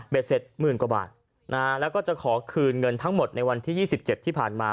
เสร็จหมื่นกว่าบาทแล้วก็จะขอคืนเงินทั้งหมดในวันที่๒๗ที่ผ่านมา